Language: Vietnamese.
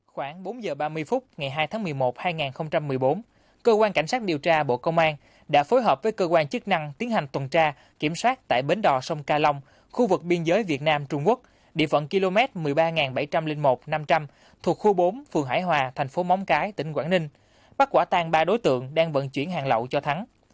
khoảng bốn giờ ba mươi phút ngày hai tháng một mươi một hai nghìn một mươi bốn cơ quan cảnh sát điều tra bộ công an đã phối hợp với cơ quan chức năng tiến hành tuần tra kiểm soát tại bến đò sông ca long khu vực biên giới việt nam trung quốc địa phận km một mươi ba nghìn bảy trăm linh một năm trăm linh thuộc khu bốn phường hải hòa thành phố móng cái tỉnh quảng ninh bắt quả tang ba đối tượng đang vận chuyển hàng lậu cho thắng